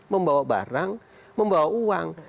membawa barang membawa uang